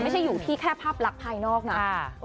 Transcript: ไม่ใช่อยู่ที่แค่ภาพลักษณ์ภายนอกนะ